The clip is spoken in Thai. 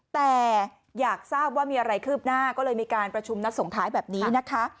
แต่อยากทราบว่ามีอะไรคืบหน้าก็เลยมีการประชุมนัดส่งท้ายแบบนี้นะคะ